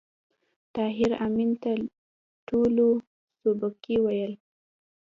طاهر آمین ته ټولو سوربګی ویل